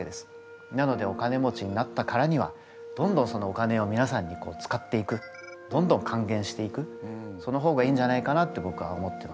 なのでお金持ちになったからにはどんどんそのお金をみなさんに使っていくどんどん還元していくその方がいいんじゃないかなって僕は思ってます。